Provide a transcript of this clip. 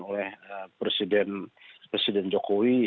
oleh presiden jokowi